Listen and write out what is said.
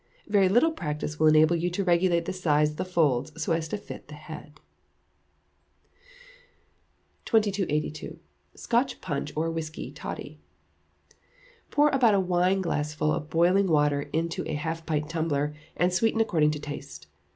Very little practice will enable you to regulate the size of the folds so as to fit the head. 2282. Scotch Punch, or Whisky Toddy. Pour about a wineglassful of boiling water into a half pint tumbler, and sweeten according to taste.